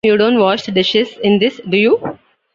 You don't wash the dishes in this, do you?